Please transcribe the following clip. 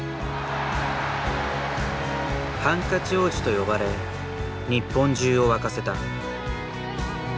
ハンカチ王子と呼ばれ日本中を沸かせた。